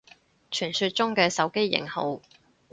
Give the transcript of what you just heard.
傳說中嘅手機型號